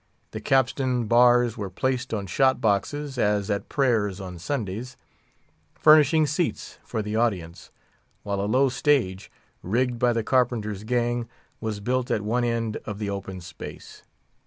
The capstan bars were placed on shot boxes, as at prayers on Sundays, furnishing seats for the audience, while a low stage, rigged by the carpenter's gang, was built at one end of the open space.